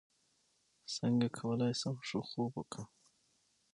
څنګه کولی شم ښه خوب وکړم